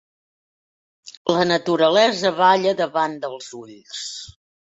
La naturalesa balla davant dels ulls